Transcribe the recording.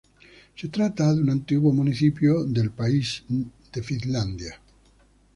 Se trata de un antiguo municipio del país europeo de Finlandia.